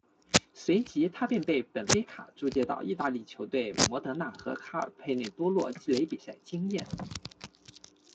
随即他便被本菲卡租借到意大利球队摩德纳和卡尔佩内多洛积累比赛经验。